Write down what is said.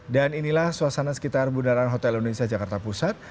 dan inilah suasana sekitar bundaran hotel indonesia jakarta pusat